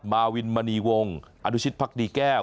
มาวินมณีวงอนุชิตพักดีแก้ว